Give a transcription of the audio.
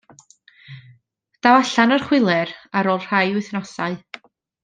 Daw allan o'r chwiler ar ôl rhai wythnosau.